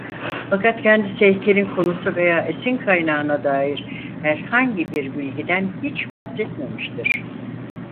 Fakat kendisi heykelin konusu veya esin kaynağına dair herhangi bir bilgiden hiç bahsetmemiştir.